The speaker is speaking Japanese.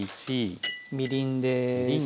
みりんです。